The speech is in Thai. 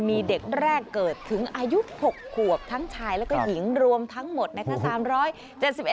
มีเด็กแรกเกิดถึงอายุ๖ขวบทั้งชายแล้วก็หญิงรวมทั้งหมดนะคะ